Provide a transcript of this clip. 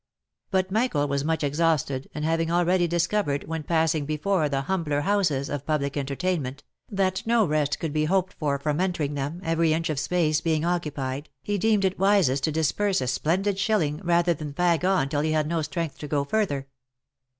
But Michael was much exhausted, and having already discovered, •when passing before the humbler houses of public entertainment, that no rest could be hoped from entering them, every inch of space being occupied, he deemed it wisest to disburse a splendid shilling, rather than fag on till he had no strength to go further.